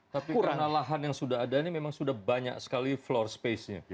tapi karena lahan yang sudah ada ini memang sudah banyak sekali floor space nya